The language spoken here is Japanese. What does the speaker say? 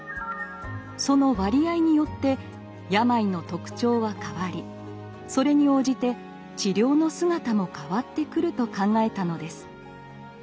その割合によって病の特徴は変わりそれに応じて治療の姿も変わってくると考えたのです。